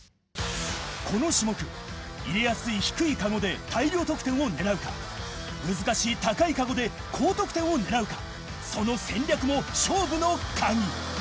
この種目入れやすい低いカゴで大量得点を狙うか難しい高いカゴで高得点を狙うか